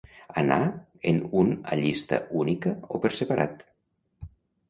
Anar en un allista única o per separat.